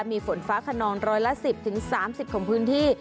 มีฝนฟ้าขนองร้อยละ๑๐๓๐ของพื้นที่